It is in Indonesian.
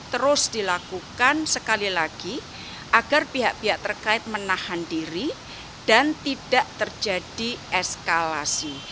terus dilakukan sekali lagi agar pihak pihak terkait menahan diri dan tidak terjadi eskalasi